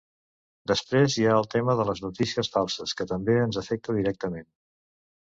Després hi ha el tema de les notícies falses, que també ens afecta directament.